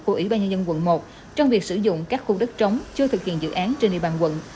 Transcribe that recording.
của ủy ban nhân dân quận một trong việc sử dụng các khu đất trống chưa thực hiện dự án trên địa bàn quận